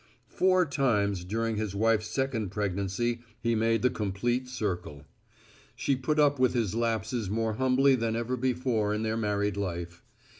Four times during his wife's second pregnancy he made the complete circle. She put up with his lapses more humbly than ever before in their married life.